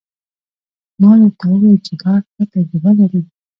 ما درته وويل چې دا ښه تجربه لري.